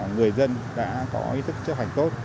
người dân đã có ý thức chấp hành tốt